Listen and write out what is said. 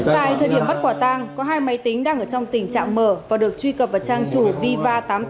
tại thời điểm bắt quả tang có hai máy tính đang ở trong tình trạng mở và được truy cập vào trang chủ viva tám trăm tám mươi